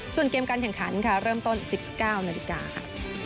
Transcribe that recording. ส่วนเกมการแข่งขันค่ะเริ่มต้น๑๙นาฬิกาค่ะ